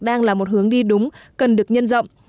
đang là một hướng đi đúng cần được nhân rộng